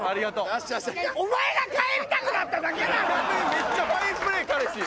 めっちゃファインプレー彼氏。